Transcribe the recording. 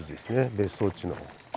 別荘地の。